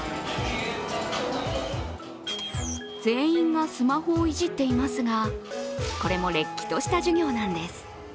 全員がスマホをいじっていますがこれもれっきとした授業なんです。